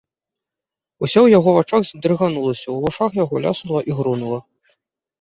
Усё ў яго вачах здрыганулася, у вушах яго ляснула і грунула.